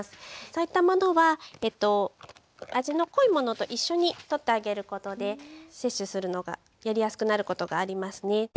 そういったものは味の濃いものと一緒にとってあげることで摂取するのがやりやすくなることがありますね。